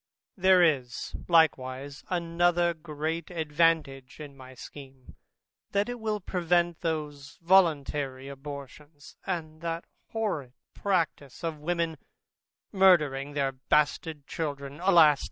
There is likewise another great advantage in my scheme, that it will prevent those voluntary abortions, and that horrid practice of women murdering their bastard children, alas!